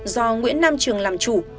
do nguyễn nam trường làm chủ